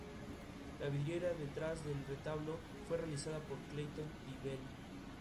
Muchas veces la tierra de color rojizo indica la presencia de greda.